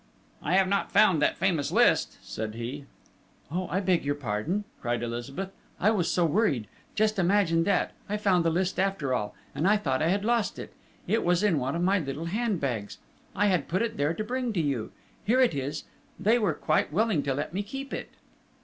"I have not found that famous list!" said he. "Oh, I beg your pardon!" cried Elizabeth. "I was so worried!... Just imagine that, I found the list after all, and I thought I had lost it! It was in one of my little handbags. I had put it there to bring to you. Here it is: they were quite willing to let me keep it!"